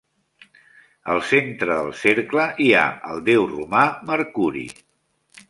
Al centre del cercle hi ha el déu romà Mercuri.